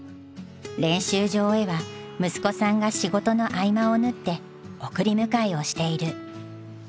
練習場へは息子さんが仕事の合間を縫って送り迎えをしている。